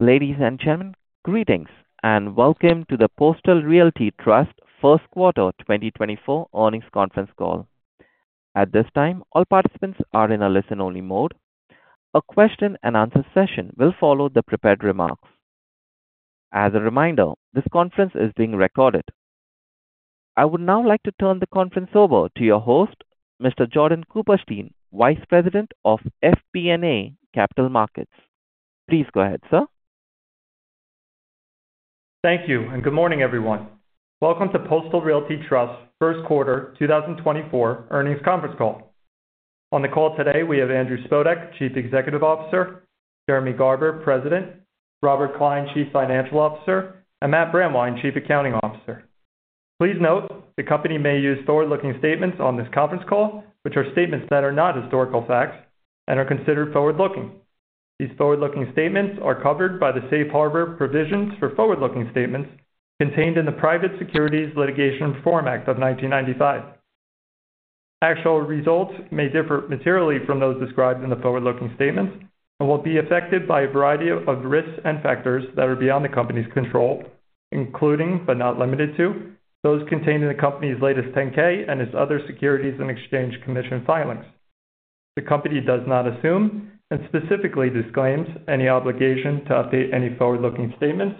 Ladies and gentlemen, greetings and welcome to the Postal Realty Trust First Quarter 2024 Earnings Conference Call. At this time, all participants are in a listen-only mode. A question-and-answer session will follow the prepared remarks. As a reminder, this conference is being recorded. I would now like to turn the conference over to your host, Mr. Jordan Cooperstein, Vice President of FP&A Capital Markets. Please go ahead, sir. Thank you, and good morning, everyone. Welcome to Postal Realty Trust First Quarter 2024 Earnings Conference Call. On the call today we have Andrew Spodek, Chief Executive Officer, Jeremy Garber, President, Robert Klein, Chief Financial Officer, and Matt Brandwein, Chief Accounting Officer. Please note, the company may use forward-looking statements on this conference call, which are statements that are not historical facts and are considered forward-looking. These forward-looking statements are covered by the Safe Harbor provisions for forward-looking statements contained in the Private Securities Litigation Reform Act of 1995. Actual results may differ materially from those described in the forward-looking statements and will be affected by a variety of risks and factors that are beyond the company's control, including but not limited to those contained in the company's latest 10-K and its other Securities and Exchange Commission filings. The company does not assume and specifically disclaims any obligation to update any forward-looking statements,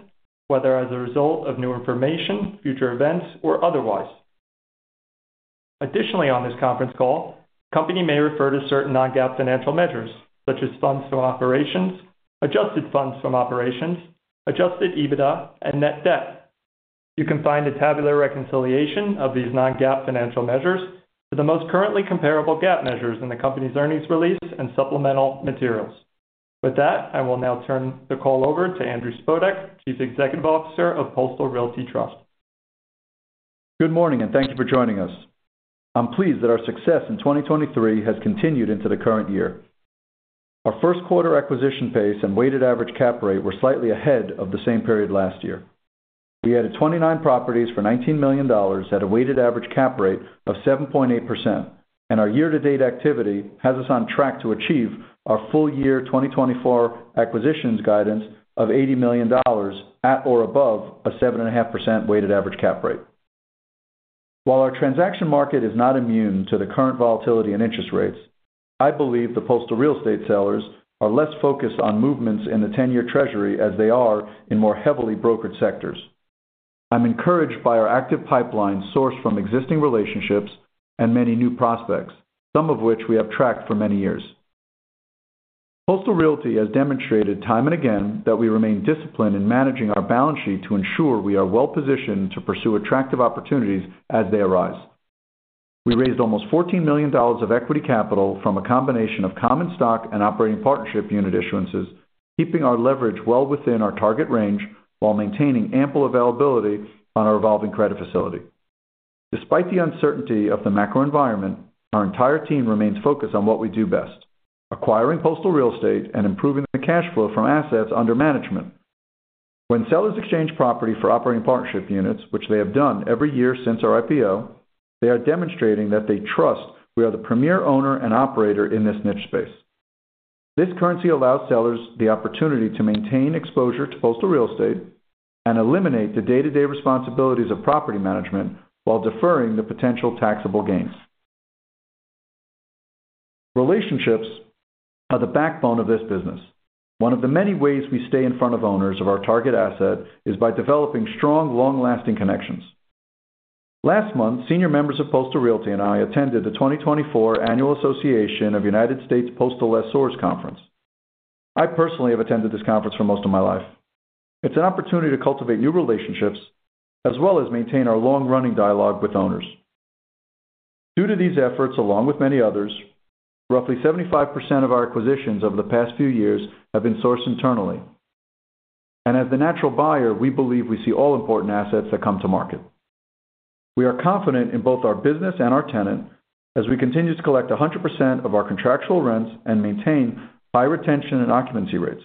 whether as a result of new information, future events, or otherwise. Additionally, on this conference call, the company may refer to certain non-GAAP financial measures, such as funds from operations, adjusted funds from operations, adjusted EBITDA, and net debt. You can find a tabular reconciliation of these non-GAAP financial measures to the most currently comparable GAAP measures in the company's earnings release and supplemental materials. With that, I will now turn the call over to Andrew Spodek, Chief Executive Officer of Postal Realty Trust. Good morning, and thank you for joining us. I'm pleased that our success in 2023 has continued into the current year. Our first quarter acquisition pace and weighted average cap rate were slightly ahead of the same period last year. We added 29 properties for $19 million at a weighted average cap rate of 7.8%, and our year-to-date activity has us on track to achieve our full-year 2024 acquisitions guidance of $80 million at or above a 7.5% weighted average cap rate. While our transaction market is not immune to the current volatility in interest rates, I believe the postal real estate sellers are less focused on movements in the 10-year Treasury as they are in more heavily brokered sectors. I'm encouraged by our active pipeline sourced from existing relationships and many new prospects, some of which we have tracked for many years. Postal Realty has demonstrated time and again that we remain disciplined in managing our balance sheet to ensure we are well-positioned to pursue attractive opportunities as they arise. We raised almost $14 million of equity capital from a combination of common stock and operating partnership unit issuances, keeping our leverage well within our target range while maintaining ample availability on our evolving credit facility. Despite the uncertainty of the macro environment, our entire team remains focused on what we do best: acquiring postal real estate and improving the cash flow from assets under management. When sellers exchange property for operating partnership units, which they have done every year since our IPO, they are demonstrating that they trust we are the premier owner and operator in this niche space. This currency allows sellers the opportunity to maintain exposure to postal real estate and eliminate the day-to-day responsibilities of property management while deferring the potential taxable gains. Relationships are the backbone of this business. One of the many ways we stay in front of owners of our target asset is by developing strong, long-lasting connections. Last month, senior members of Postal Realty and I attended the 2024 Annual Association of United States Postal Lessors Conference. I personally have attended this conference for most of my life. It's an opportunity to cultivate new relationships as well as maintain our long-running dialogue with owners. Due to these efforts, along with many others, roughly 75% of our acquisitions over the past few years have been sourced internally, and as the natural buyer, we believe we see all important assets that come to market. We are confident in both our business and our tenant as we continue to collect 100% of our contractual rents and maintain high retention and occupancy rates,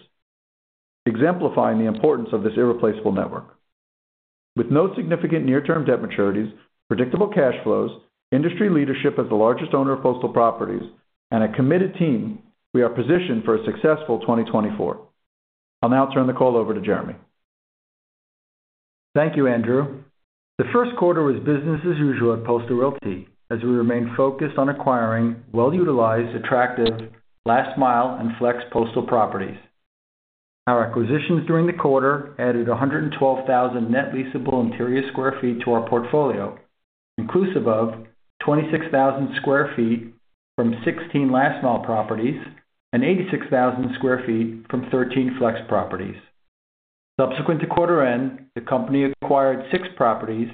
exemplifying the importance of this irreplaceable network. With no significant near-term debt maturities, predictable cash flows, industry leadership as the largest owner of postal properties, and a committed team, we are positioned for a successful 2024. I'll now turn the call over to Jeremy. Thank you, Andrew. The 1st quarter was business as usual at Postal Realty as we remained focused on acquiring well-utilized, attractive, last-mile, and flex postal properties. Our acquisitions during the quarter added 112,000 net leasable interior sq ft to our portfolio, inclusive of 26,000 sq ft from 16 last-mile properties and 86,000 sq ft from 13 flex properties. Subsequent to quarter end, the company acquired six properties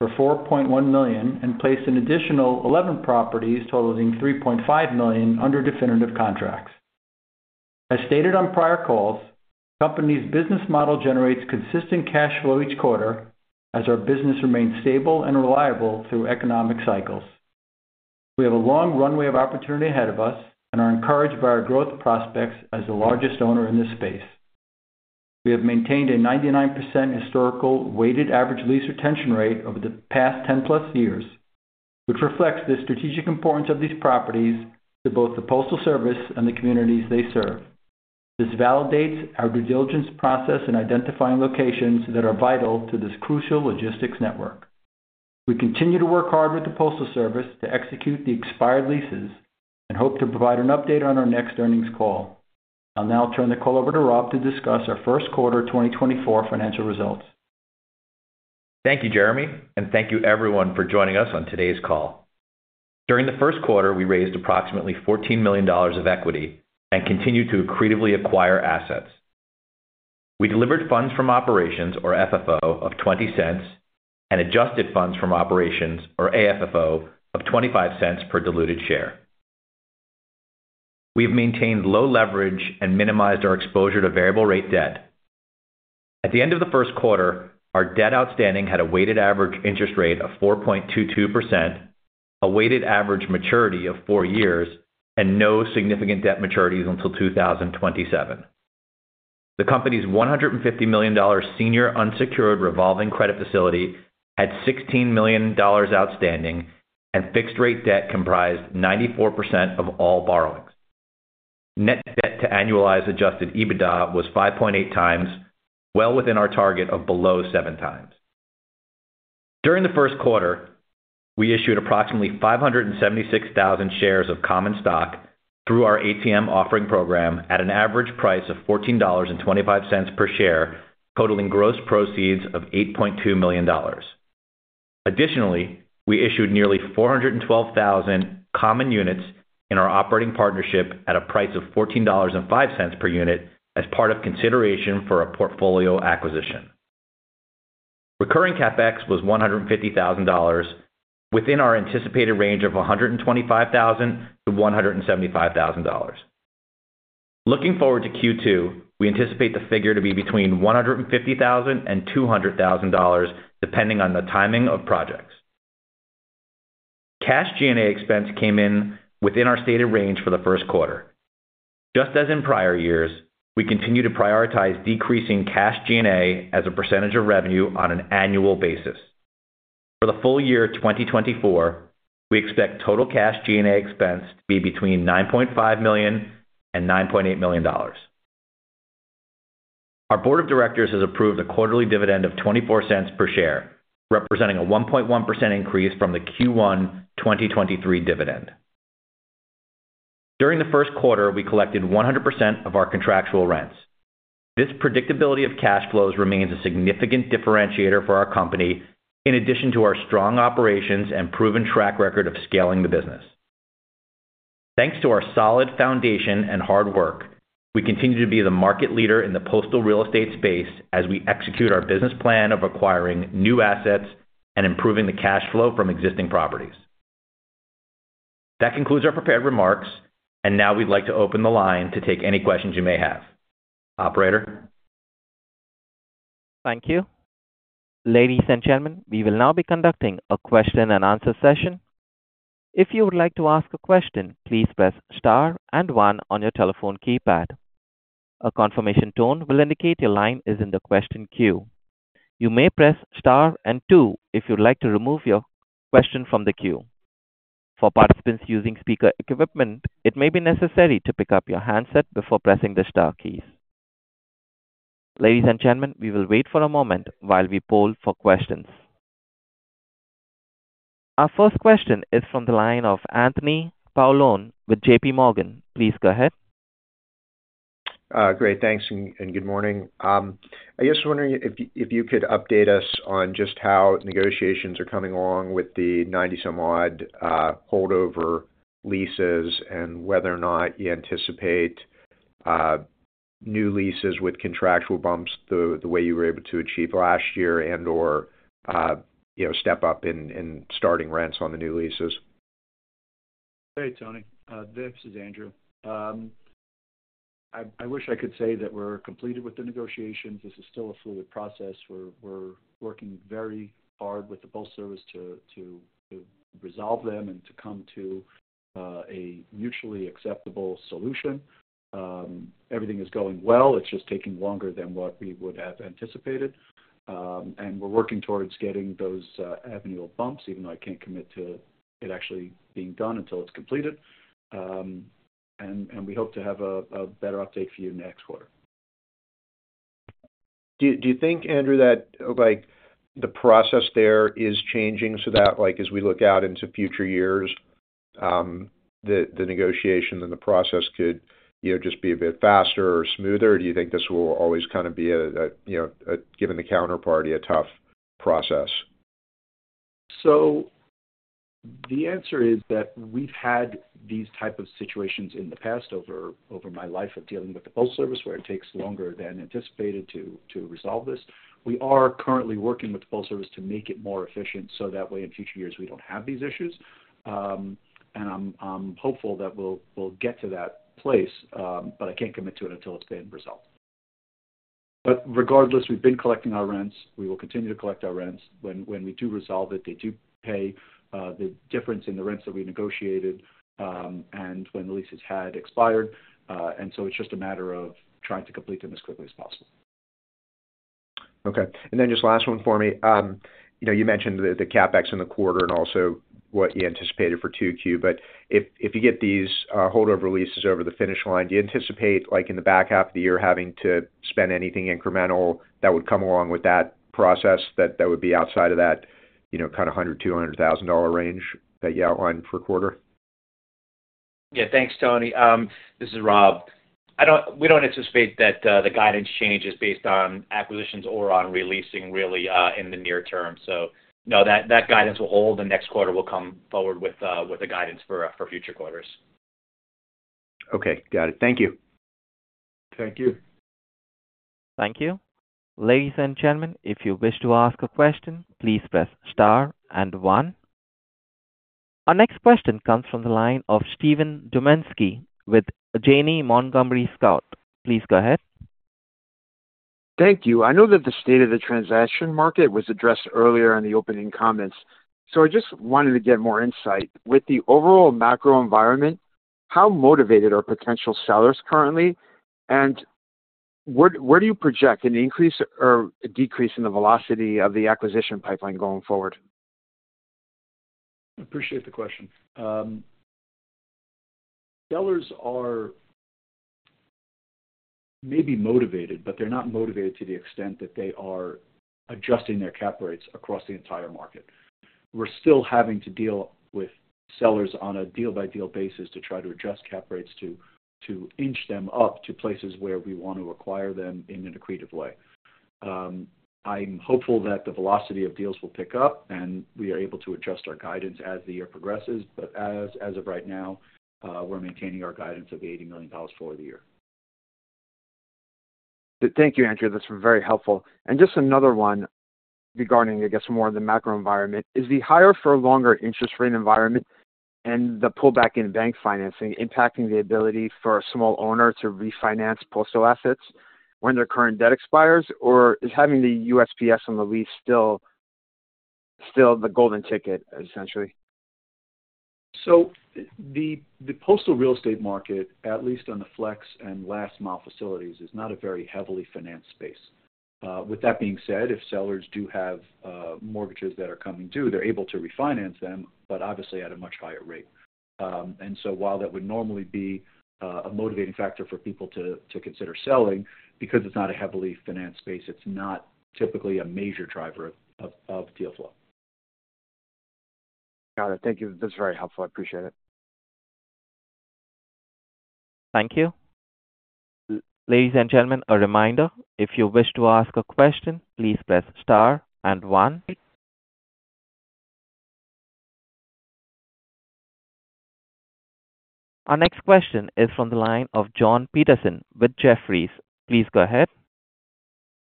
for $4.1 million and placed an additional 11 properties totaling $3.5 million under definitive contracts. As stated on prior calls, the company's business model generates consistent cash flow each quarter as our business remains stable and reliable through economic cycles. We have a long runway of opportunity ahead of us and are encouraged by our growth prospects as the largest owner in this space. We have maintained a 99% historical weighted average lease retention rate over the past 10+ years, which reflects the strategic importance of these properties to both the Postal Service and the communities they serve. This validates our due diligence process in identifying locations that are vital to this crucial logistics network. We continue to work hard with the Postal Service to execute the expired leases and hope to provide an update on our next earnings call. I'll now turn the call over to Rob to discuss our 1st Quarter 2024 financial results. Thank you, Jeremy, and thank you, everyone, for joining us on today's call. During the 1st Quarter, we raised approximately $14 million of equity and continued to accretively acquire assets. We delivered Funds From Operations, or FFO, of $0.20 and Adjusted Funds From Operations, or AFFO, of $0.25 per diluted share. We've maintained low leverage and minimized our exposure to variable-rate debt. At the end of the 1st Quarter, our debt outstanding had a weighted average interest rate of 4.22%, a weighted average maturity of four years, and no significant debt maturities until 2027. The company's $150 million senior unsecured revolving credit facility had $16 million outstanding, and fixed-rate debt comprised 94% of all borrowings. Net debt to annualized Adjusted EBITDA was 5.8x, well within our target of below 7x. During the 1st Quarter, we issued approximately 576,000 shares of common stock through our ATM offering program at an average price of $14.25 per share, totaling gross proceeds of $8.2 million. Additionally, we issued nearly 412,000 common units in our operating partnership at a price of $14.05 per unit as part of consideration for a portfolio acquisition. Recurring CapEx was $150,000, within our anticipated range of $125,000-$175,000. Looking forward to Q2, we anticipate the figure to be between $150,000-$200,000, depending on the timing of projects. Cash G&A expense came in within our stated range for the 1st Quarter. Just as in prior years, we continue to prioritize decreasing cash G&A as a percentage of revenue on an annual basis. For the full year 2024, we expect total cash G&A expense to be between $9.5 million-$9.8 million. Our board of directors has approved a quarterly dividend of $0.24 per share, representing a 1.1% increase from the Q1 2023 dividend. During the first quarter, we collected 100% of our contractual rents. This predictability of cash flows remains a significant differentiator for our company, in addition to our strong operations and proven track record of scaling the business. Thanks to our solid foundation and hard work, we continue to be the market leader in the postal real estate space as we execute our business plan of acquiring new assets and improving the cash flow from existing properties. That concludes our prepared remarks, and now we'd like to open the line to take any questions you may have. Operator. Thank you. Ladies and gentlemen, we will now be conducting a question-and-answer session. If you would like to ask a question, please press star and one on your telephone keypad. A confirmation tone will indicate your line is in the question queue. You may press star and two if you'd like to remove your question from the queue. For participants using speaker equipment, it may be necessary to pick up your handset before pressing the star keys. Ladies and gentlemen, we will wait for a moment while we poll for questions. Our first question is from the line of Anthony Paolone with J.P. Morgan. Please go ahead. Great. Thanks and good morning. I guess I was wondering if you could update us on just how negotiations are coming along with the 90-some-odd holdover leases and whether or not you anticipate new leases with contractual bumps the way you were able to achieve last year and/or step up in starting rents on the new leases? Great, Tony. This is Andrew. I wish I could say that we're completed with the negotiations. This is still a fluid process. We're working very hard with the Postal Service to resolve them and to come to a mutually acceptable solution. Everything is going well. It's just taking longer than what we would have anticipated. And we're working towards getting those avenue of bumps, even though I can't commit to it actually being done until it's completed. And we hope to have a better update for you next quarter. Do you think, Andrew, that the process there is changing so that as we look out into future years, the negotiation and the process could just be a bit faster or smoother? Do you think this will always kind of be, given the counterparty, a tough process? So the answer is that we've had these type of situations in the past over my life of dealing with the Postal Service, where it takes longer than anticipated to resolve this. We are currently working with the Postal Service to make it more efficient so that way, in future years, we don't have these issues. I'm hopeful that we'll get to that place, but I can't commit to it until it's been resolved. Regardless, we've been collecting our rents. We will continue to collect our rents. When we do resolve it, they do pay the difference in the rents that we negotiated and when the lease has expired. So it's just a matter of trying to complete them as quickly as possible. Okay. And then just last one for me. You mentioned the CapEx in the quarter and also what you anticipated for Q2. But if you get these holdover leases over the finish line, do you anticipate, in the back half of the year, having to spend anything incremental that would come along with that process that would be outside of that kind of $100,000-$200,000 range that you outlined for quarter? Yeah. Thanks, Tony. This is Rob. We don't anticipate that the guidance changes based on acquisitions or on releasing, really, in the near term. So no, that guidance will hold. The next quarter will come forward with a guidance for future quarters. Okay. Got it. Thank you. Thank you. Thank you. Ladies and gentlemen, if you wish to ask a question, please press star and one. Our next question comes from the line of Steven Dumanski with Janney Montgomery Scott. Please go ahead. Thank you. I know that the state of the transaction market was addressed earlier in the opening comments, so I just wanted to get more insight. With the overall macro environment, how motivated are potential sellers currently? And where do you project an increase or a decrease in the velocity of the acquisition pipeline going forward? I appreciate the question. Sellers are maybe motivated, but they're not motivated to the extent that they are adjusting their cap rates across the entire market. We're still having to deal with sellers on a deal-by-deal basis to try to adjust cap rates to inch them up to places where we want to acquire them in an accretive way. I'm hopeful that the velocity of deals will pick up, and we are able to adjust our guidance as the year progresses. But as of right now, we're maintaining our guidance of $80 million for the year. Thank you, Andrew. That's very helpful. And just another one regarding, I guess, more the macro environment. Is the higher-for-longer interest rate environment and the pullback in bank financing impacting the ability for a small owner to refinance postal assets when their current debt expires? Or is having the USPS on the lease still the golden ticket, essentially? So the postal real estate market, at least on the Flex and Last-mile facilities, is not a very heavily financed space. With that being said, if sellers do have mortgages that are coming due, they're able to refinance them, but obviously at a much higher rate. And so while that would normally be a motivating factor for people to consider selling, because it's not a heavily financed space, it's not typically a major driver of deal flow. Got it. Thank you. This is very helpful. I appreciate it. Thank you. Ladies and gentlemen, a reminder. If you wish to ask a question, please press star and one. Our next question is from the line of Jon Petersen with Jefferies. Please go ahead.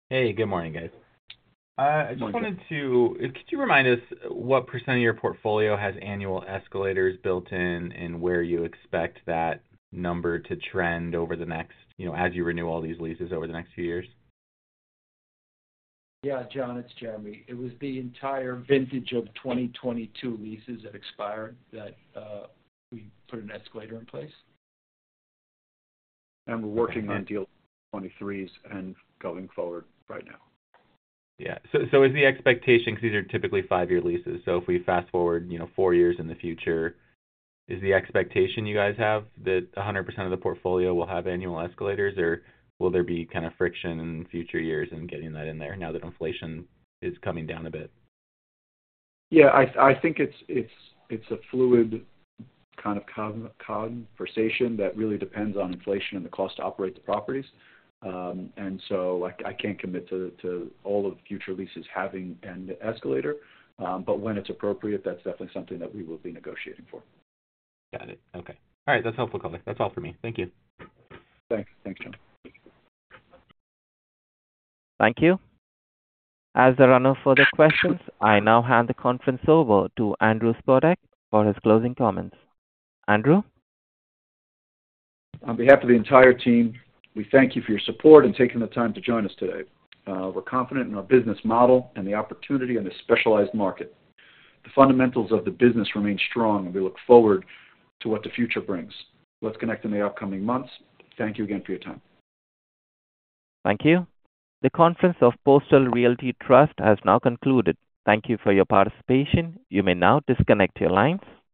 Hey. Good morning, guys. I just wanted to, could you remind us what percent of your portfolio has annual escalators built in and where you expect that number to trend over the next as you renew all these leases over the next few years? Yeah, Jon. It's Jeremy. It was the entire vintage of 2022 leases that expired that we put an escalator in place. We're working on deals for 2023s and going forward right now. Yeah. So is the expectation because these are typically five-year leases? So if we fast-forward four years in the future, is the expectation you guys have that 100% of the portfolio will have annual escalators, or will there be kind of friction in future years in getting that in there now that inflation is coming down a bit? Yeah. I think it's a fluid kind of conversation that really depends on inflation and the cost to operate the properties. And so I can't commit to all of future leases having an escalator. But when it's appropriate, that's definitely something that we will be negotiating for. Got it. Okay. All right. That's helpful. That's all for me. Thank you. Thanks. Thanks, Jon. Thank you. As there are no further questions, I now hand the conference over to Andrew Spodek for his closing comments. Andrew? On behalf of the entire team, we thank you for your support and taking the time to join us today. We're confident in our business model and the opportunity in this specialized market. The fundamentals of the business remain strong, and we look forward to what the future brings. Let's connect in the upcoming months. Thank you again for your time. Thank you. The Conference of Postal Realty Trust has now concluded. Thank you for your participation. You may now disconnect your lines.